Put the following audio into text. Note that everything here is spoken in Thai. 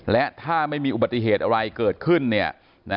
และถ้าไม่มีอุบัติเหตุอะไรเกิดขึ้น